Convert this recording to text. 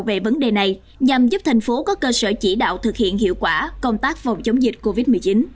về vấn đề này nhằm giúp thành phố có cơ sở chỉ đạo thực hiện hiệu quả công tác phòng chống dịch covid một mươi chín